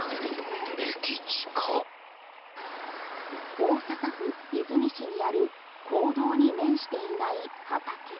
大阪府和泉市にある公道に面していない畠。